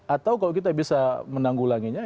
atau kalau kita bisa menanggulanginya